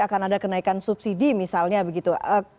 akan ada kenaikan subsidi misalnya begitu